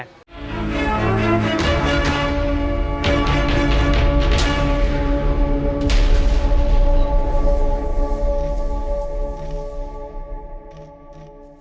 công an quận bốn